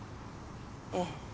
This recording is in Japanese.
ええ。